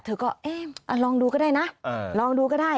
เธอก็เอ๊ะลองดูก็ได้นะลองดูก็ได้